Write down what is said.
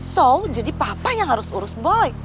so jadi papa yang harus urus boy